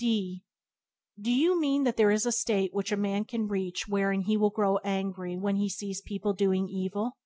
D Do you mean that there is a state which a man can reach wherein he will grow angry when he sees people doing evil?